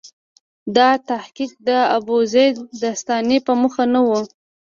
دا تحقیق د ابوزید د ستاینې په موخه نه و.